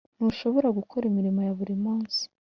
ntushobora gukora imirimo ya buri munsi.